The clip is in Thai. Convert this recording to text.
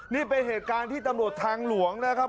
นี่เป็นเหตุการณ์ที่ตำรวจทางหลวงนะครับ